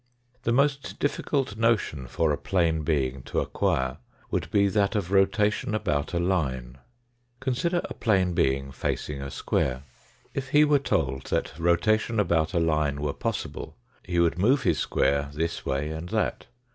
The most difficult notion for a plane being to acquire would be that of rotation about a line. Consider a plane being facing a square. If he were told that rotation about a line were possible, he would move his square this way and that.